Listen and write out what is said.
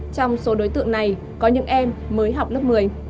trong số đối tượng này có những em mới học lớp một mươi